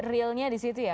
realnya disitu ya